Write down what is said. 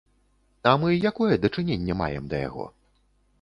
А мы якое дачыненне маем да яго?